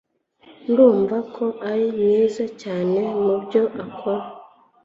Ndumva ko uri mwiza cyane mubyo ukora